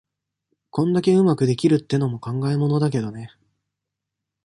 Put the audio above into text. こんだけ上手くできるってのも考えものだけどね。